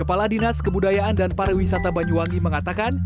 kepala dinas kebudayaan dan pariwisata banyuwangi mengatakan